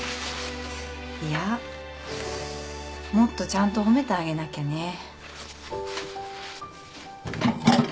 いやもっとちゃんと褒めてあげなきゃね。